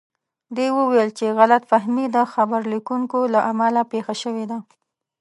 ده وویل چې غلط فهمي د خبر لیکونکو له امله پېښه شوې ده.